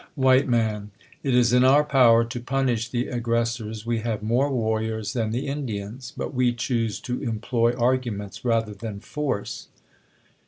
IF. Man. It is in our power to punish the aggres sors ; we have more warriors than the Indians ; but we choose to employ arguments rather than force.